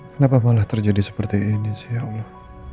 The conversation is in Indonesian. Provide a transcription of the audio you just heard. kenapa malah terjadi seperti ini sih ya allah